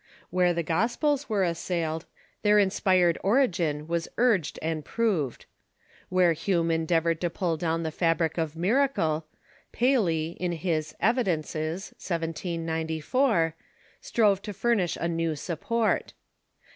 Where the Gospels were assailed, their inspired origin was urged and proved. Where Hume endeavored to pull down the fabric of miracle, Paley, in his "Evidences" (1794), strove to furnish a new support.